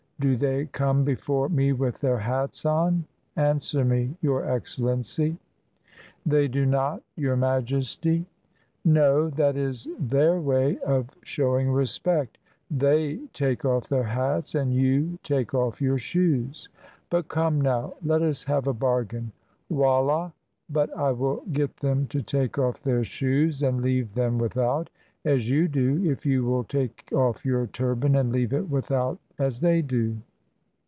Do they come before me with their hats on? Answer me, Your Excellency." "They do not. Your Majesty." "No; that is their way of showing respect. They take off their hats and you take off your shoes. But, come, now, let us have a bargain. Wallah, but I will get them to take off their shoes and leave them without, as you do, if you will take off your turban and leave it without as they do."